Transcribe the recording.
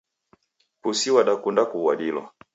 Pusi wadakunda kuw'uadilwa